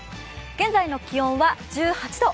現在の気温は１８度。